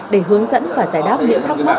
để hướng dẫn và giải đáp những thắc mắc